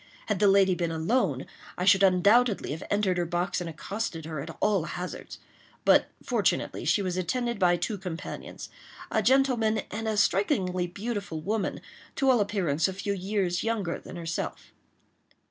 Had the lady been alone, I should undoubtedly have entered her box and accosted her at all hazards; but, fortunately, she was attended by two companions—a gentleman, and a strikingly beautiful woman, to all appearance a few years younger than herself.